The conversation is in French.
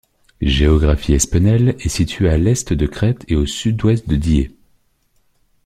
GéographieEspenel est situé à à l'est de Crest et à au sud-ouest de Die.